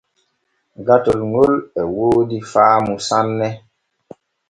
Gatol ŋol e woodi faamu sanne.